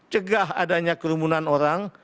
cegah adanya kerumunan orang